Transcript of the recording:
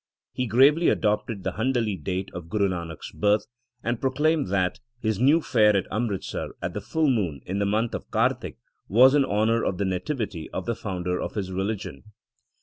He gravely adopted the Handali date of Guru Nanak s birth, and proclaimed that his new fair at Amritsar at the full moon in the month of Kartik was in honour of the nativity of the founder of his religion.